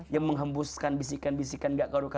yang menghembuskan bisikan bisikan